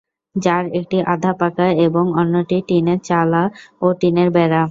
যার একটি আধা-পাকা এবং অন্যটি টিনের চালা ও টিনের বেড়া।